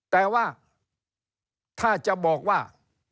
แต่ว่าถ้าจะบอกว่า